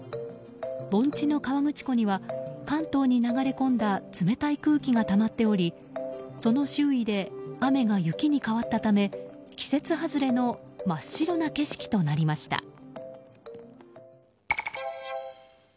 盆地の河口湖には関東に流れ込んだ冷たい空気がたまっておりその周囲で雨が雪に変わったため季節外れの真っ白な景色となりました。